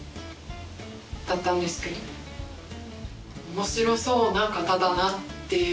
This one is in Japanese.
面白そうな方だなっていう。